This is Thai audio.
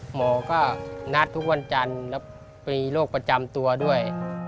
หมอก็นัดทุกวันจันทร์แล้วมีโรคประจำตัวด้วย